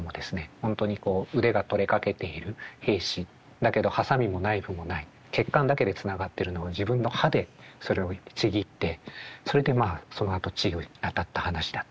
本当にこう腕が取れかけている兵士だけどハサミもナイフもない血管だけでつながってるのを自分の歯でそれをちぎってそれでまあそのあと治療に当たった話だったり。